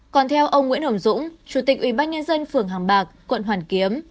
còn theo ông nguyễn hồng dũng chủ tịch ủy ban nhân dân phường hàng bạc quận hoàn kiếm